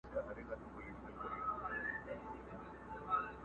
دوه شاهان په مملکت کي نه ځاییږي٫